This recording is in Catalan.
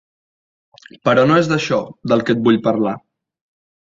Però no és d'això, del que et vull parlar.